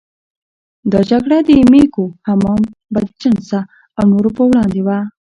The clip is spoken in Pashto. دا جګړه د مېږو، حمام بدجنسه او نورو پر وړاندې وه.